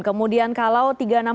kemudian kalau tiga ratus enam puluh